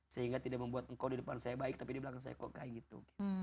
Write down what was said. sehingga tidak membuat engkau di depan saya baik tapi di belakang saya kok kayak gitu